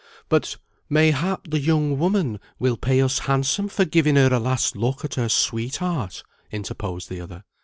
"But, mayhap, the young woman will pay us handsome for giving her a last look at her sweetheart," interposed the other.